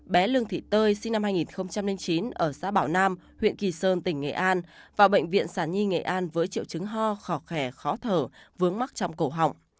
bé lương thị tơi sinh năm hai nghìn chín ở xã bảo nam huyện kỳ sơn tỉnh nghệ an vào bệnh viện sản nhi nghệ an với triệu chứng ho khỏ khẻ khó thở vướng mắc trong cổ họng